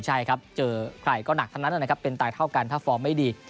ใช่ครับเจอใครก็หนักทั้งนั้นนะครับเป็นตายเท่ากันถ้าฟอร์มไม่ดี